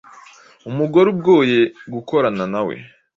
umugore ugoye gukorana nawe.